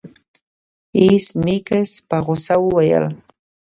ایس میکس په غوسه وویل